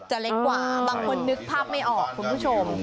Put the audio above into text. เล็กกว่าบางคนนึกภาพไม่ออกคุณผู้ชม